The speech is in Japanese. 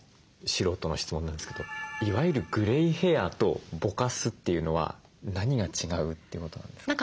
素人の質問なんですけどいわゆるグレイヘアとぼかすっていうのは何が違うってことなんですか？